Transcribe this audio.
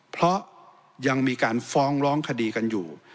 เพราะยังมีการฟ้องร้องคดีกันอยู่